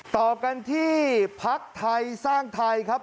ต่อกันที่พักไทยสร้างไทยครับ